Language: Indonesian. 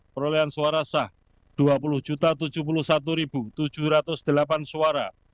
perolehan suara sah dua puluh tujuh puluh satu tujuh ratus delapan suara